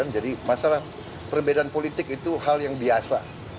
jadi masalah perbedaan politik itu hal yang biasa